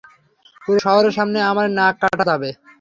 পুরো শহরের সামনে আমার নাক কাটা যাবে।